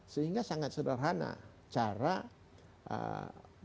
sehingga sangat sederhana cara melakukan itu